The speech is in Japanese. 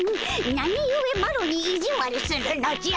なにゆえマロにいじわるするのじゃ。